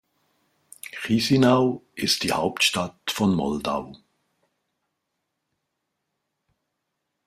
Chișinău ist die Hauptstadt von Moldau.